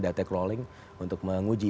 data crawling untuk menguji